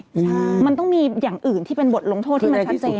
ใช่มันต้องมีอย่างอื่นที่เป็นบทลงโทษที่มันชัดเจน